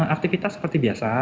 aktivitas seperti biasa